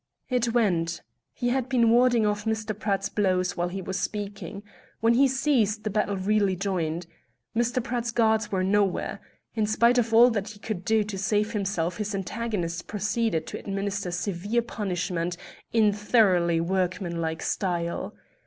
It went. He had been warding off Mr. Pratt's blows while he was speaking. When he ceased the battle really joined. Mr. Pratt's guards were nowhere. In spite of all that he could do to save himself, his antagonist proceeded to administer severe punishment in thoroughly workmanlike style.